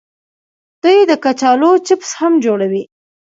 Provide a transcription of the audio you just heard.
دوی د کچالو چپس هم جوړوي.